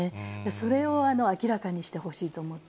それを明らかにしてほしいと思って。